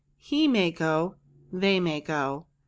He may go. They may go.